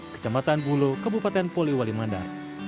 kejambatan bulo kebupaten poliwalimandar